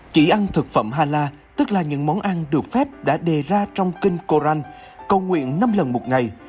chỉ ăn thực phẩm hà la tức là những món ăn được phép đã đề ra trong kênh quran cầu nguyện năm lần một ngày